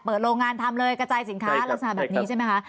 โรงงานทำเลยกระจายสินค้าลักษณะแบบนี้ใช่ไหมคะ